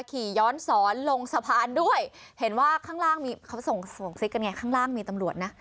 ขี่ย้อนสอนลงสะพานด้วยเห็นว่าข้างล่างมีข้างล่างมีตำรวจนะ